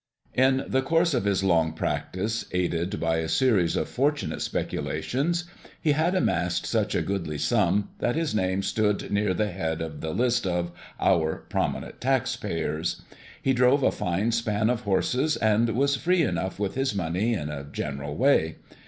In the course of his long practice, aided by a series of fortunate speculations, he had amassed such a goodly sum that his name stood near the head of the list of "Our Prominent Taxpayers;" he drove a fine span of horses, and was free enough with his money, in a general way.